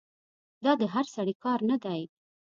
دا د هر سړي کار نه دی.